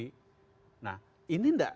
nah ini nggak menurut saya harus diselesaikan